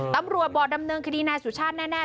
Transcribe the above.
ตำรวจบอกดำเนินคดีนายสุชาติแน่